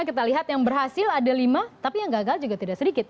kita lihat yang berhasil ada lima tapi yang gagal juga tidak sedikit